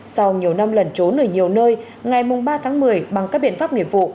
sau nhiều năm lần trốn ở nhiều nơi ngày ba tháng một mươi bằng các biện pháp nghiệp vụ